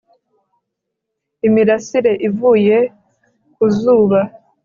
imirasire ivuye ku zuba